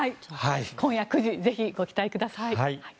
今夜９時ぜひご期待ください。